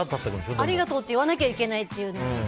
ありがとうって言わなきゃいけないっていう。